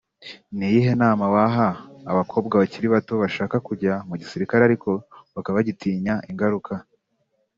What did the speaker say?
Ni iyihe nama waha abakobwa bakiri bato bashaka kujya mu gisirikare ariko bakaba bagitinya ingaruka